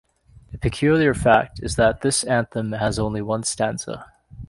A peculiar fact is that this anthem has only one stanza.